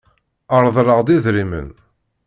Reḍḍleɣ-d idrimen.